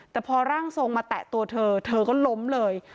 แต่พอร่างทรงมาแตะตัวเธอเธอก็ล้มเลย